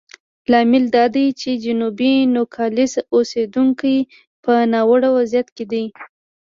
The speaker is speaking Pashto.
لامل دا دی چې جنوبي نوګالس اوسېدونکي په ناوړه وضعیت کې دي.